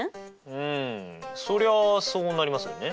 うんそりゃあそうなりますよね。